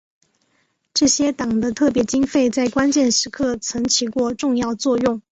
这些党的特别经费在关键时刻曾起过重要作用。